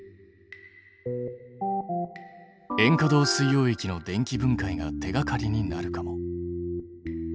塩化銅水溶液の電気分解が手がかりになるかも。